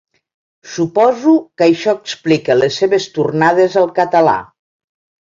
Suposo que això explica les seves tornades al català.